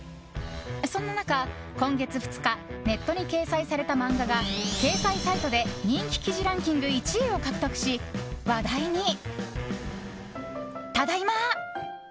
そんな中、今月２日ネットに掲載された漫画が掲載サイトで人気記事ランキング１位を獲得し話題に。